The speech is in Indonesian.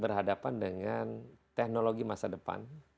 berhadapan dengan teknologi masa depan